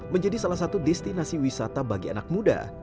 menjadi salah satu destinasi wisata bagi anak muda